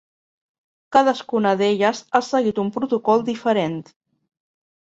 Cadascuna d'elles ha seguit un protocol diferent.